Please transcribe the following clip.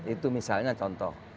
itu misalnya contoh